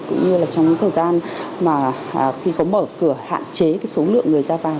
cũng như là trong cái thời gian mà khi có mở cửa hạn chế cái số lượng người ra vào